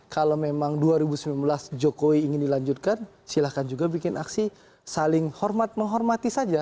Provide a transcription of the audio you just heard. kalau memang dua ribu sembilan belas jokowi ingin dilanjutkan silahkan juga bikin aksi saling hormat menghormati saja